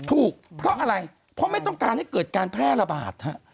ถูกเพราะอะไรเพราะไม่ต้องการให้เกิดการแพร่ระบาด